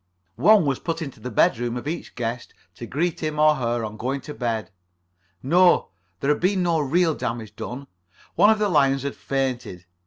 One was put into the bedroom of each guest to greet him or her on going to bed. No, there had been no real damage done. One of the lions had fainted.